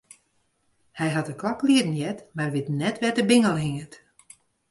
Hy hat de klok lieden heard, mar wit net wêr't de bingel hinget.